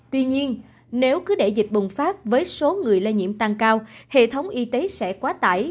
tuy nhiên nếu cứ để dịch bùng phát với số người lây nhiễm tăng cao hệ thống y tế sẽ quá tải